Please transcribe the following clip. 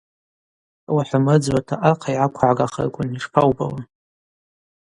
Ауи хӏымрыдзуата, архъа йгӏаквыгӏгахырквын йшпаубауа?